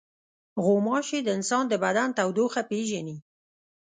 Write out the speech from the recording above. غوماشې د انسان د بدن تودوخه پېژني.